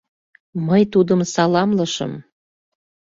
Мый тудым саламлышым.